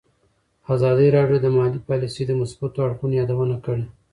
ازادي راډیو د مالي پالیسي د مثبتو اړخونو یادونه کړې.